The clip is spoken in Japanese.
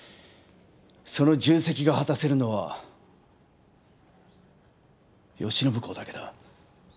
その重責が果たせるのは慶喜公だけだ。